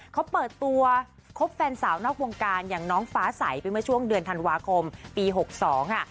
เขาเปิดตัวคบแฟนสาวนอกวงการอย่างน้องฟ้าใสไปเมื่อช่วงเดือนธันวาคมปี๖๒ค่ะ